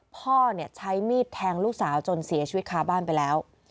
พ่อใช้มีดแทงลูกสาวจนเสียชีวิตคาบ้านไปแล้ว